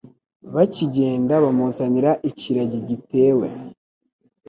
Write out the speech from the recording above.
Bakigenda bamuzanira ikiragi gitewe